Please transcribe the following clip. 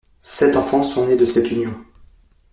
Sept enfants sont nés de cette union.